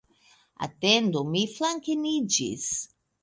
Atendu, mi flankeniĝis.